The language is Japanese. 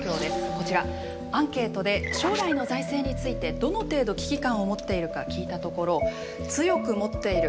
こちらアンケートで将来の財政についてどの程度危機感を持っているか聞いたところ「強く持っている」